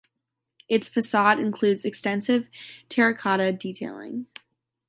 Its facade includes extensive terra cotta detailing.